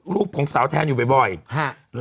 ของสาวแทนอยู่บ่อยบ่อยฮะ